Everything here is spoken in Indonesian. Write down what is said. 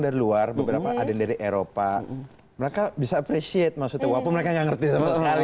dari luar beberapa ada dari eropa mereka bisa appreciate maksudnya mereka ngerti sama sekali